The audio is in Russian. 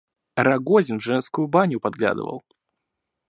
Рагозин в женскую баню подглядывал.